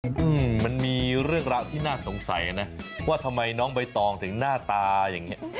อืมมันมีเรื่องราวที่น่าสงสัยนะว่าทำไมน้องใบตองถึงหน้าตาอย่างเงี้